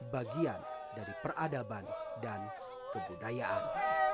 bagian dari peradaban dan kebudayaan